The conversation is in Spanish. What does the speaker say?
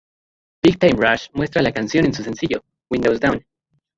Big Time Rush muestra la canción en su sencillo, Windows Down.